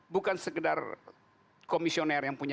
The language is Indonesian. bukan sekedar komisioner yang punya